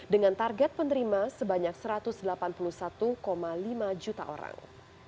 dengan target penerima sebanyak satu ratus delapan puluh satu lima juta orang